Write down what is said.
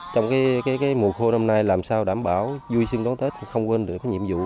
trong mùa khô năm nay làm sao đảm bảo vui sinh đón tết không quên được cái nhiệm vụ